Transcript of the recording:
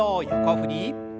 横振り。